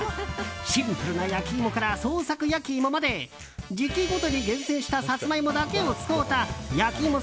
シンプルな焼き芋から創作焼き芋まで時期ごとに厳選したサツマイモだけを使うた焼き芋